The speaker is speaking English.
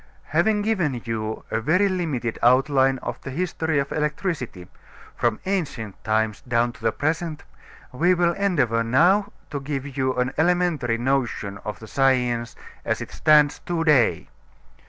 Having given you a very limited outline of the history of electricity, from ancient times down to the present, we will endeavor now to give you an elementary notion of the science as it stands to day.